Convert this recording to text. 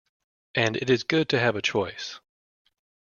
And it is good to have a choice.